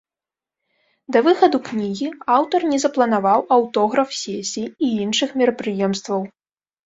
Да выхаду кнігі аўтар не запланаваў аўтограф-сесій і іншых мерапрыемстваў.